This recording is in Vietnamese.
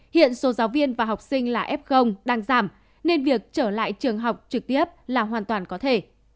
hiện số giáo viên và học sinh là f đang giảm nên việc trở lại trường học trực tiếp là hoàn toàn có thể